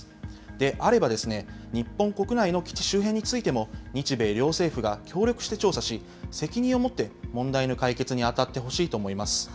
であればですね、日本国内の基地周辺についても、日米両政府が協力して調査し、責任を持って問題の解決に当たってほしいと思います。